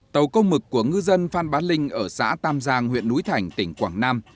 tàu câu mực của ngư dân phan bá linh ở xã tam giang huyện núi thành tỉnh quảng nam